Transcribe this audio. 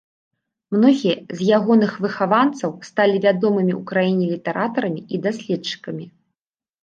Многія з ягоных выхаванцаў сталі вядомымі ў краіне літаратарамі і даследчыкамі.